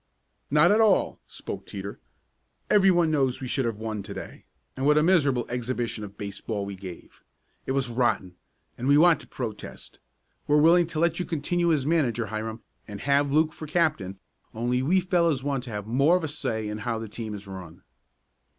"Not at all," spoke Teeter. "Everyone knows we should have won to day, and what a miserable exhibition of baseball we gave! It was rotten, and we want to protest. We're willing to let you continue as manager, Hiram, and have Luke for captain, only we fellows want to have more of a say in how the team is run."